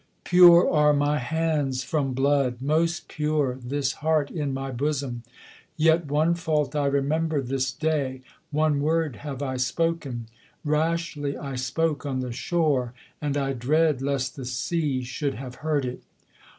'Pure are my hands from blood: most pure this heart in my bosom. Yet one fault I remember this day; one word have I spoken; Rashly I spoke on the shore, and I dread lest the sea should have heard it.